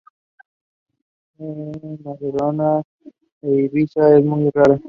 En Menorca e Ibiza es muy rara.